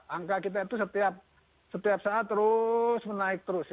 angka kita itu setiap saat terus menaik terus